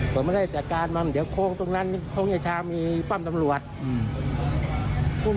ผมไม่ได้จัดการมาเดี๋ยวโครงตรงนั้น